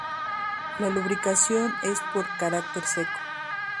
La lubricación es por cárter seco.